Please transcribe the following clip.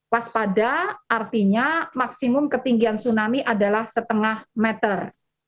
waspada artinya maksimum ketinggian tsunami adalah setengah meter